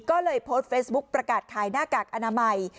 ก็เลยโพสต์เฟซบุ๊คประกาศขายหน้ากากอนามัย